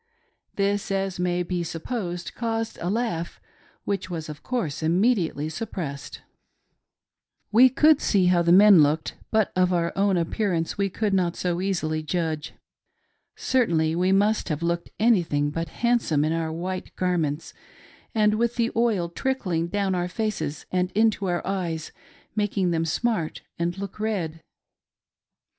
'" This, as may be supposed, caused a laugh which was, of course, immediately suppressed. We could see how the men looked, but of our own appear , $6i A LUDICROUS SC£NE :— VANITY At A DISCOUNT. ance we could not so easily jtidge. Certainly, we must nave looked anything but handsome in ouf white garments and with the oil trickling down our faces and into our eyes, making them smart and look ^ed.